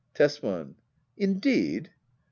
Tesman. Indeed ?